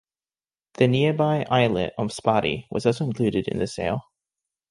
The nearby islet of Sparti was also included in the sale.